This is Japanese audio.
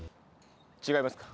違いますか？